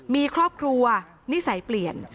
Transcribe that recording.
มีครอบครัวนิสัยเปลี่ยน